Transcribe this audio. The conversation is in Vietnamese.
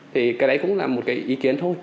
thì cái đấy cũng là một cái ý kiến thôi